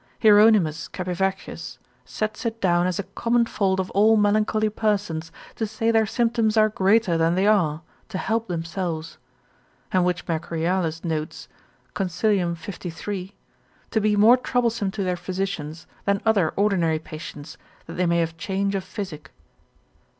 Hier. Capivaccius sets it down as a common fault of all melancholy persons to say their symptoms are greater than they are, to help themselves. And which Mercurialis notes, consil. 53. to be more troublesome to their physicians, than other ordinary patients, that they may have change of physic.